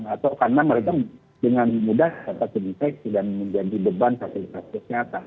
atau karena mereka dengan mudah dapat dideteksi dan menjadi beban fasilitas kesehatan